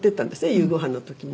夕ごはんの時に。